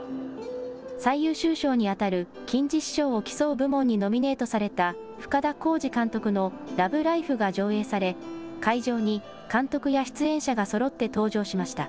最優秀賞にあたる金獅子賞を競う部門にノミネートされた深田晃司監督のＬＯＶＥＬＩＦＥが上映され会場に監督や出演者がそろって登場しました。